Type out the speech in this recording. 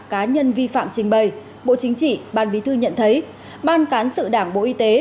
cá nhân vi phạm trình bày bộ chính trị ban bí thư nhận thấy ban cán sự đảng bộ y tế